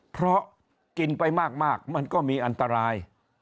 เพราะกินไปมากมันก็มีอันตราย